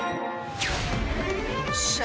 よっしゃ！